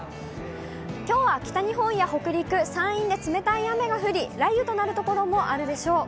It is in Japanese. きょうは北日本や北陸、山陰で冷たい雨が降り、雷雨となる所もあるでしょう。